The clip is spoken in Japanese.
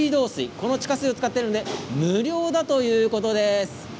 この地下水を使っているので無料だということです。